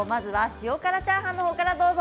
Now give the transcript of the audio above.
塩辛チャーハンからどうぞ。